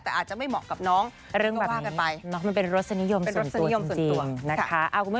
แต่อาจจะไม่เหมาะกับน้องเรื่องแบบนี้น้องมันเป็นรสนิยมส่วนตัวจริงนะคะ